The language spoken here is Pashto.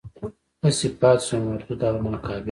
هسې پاتې شوم مردود او ناقابل.